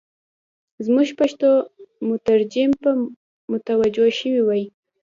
زموږ پښتو مترجم به متوجه شوی وای.